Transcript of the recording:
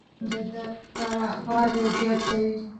زغم د درک پراخوالی زیاتوي.